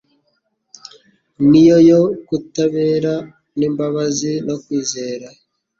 ni yo yo kutabera n'imbabazi no kwizera.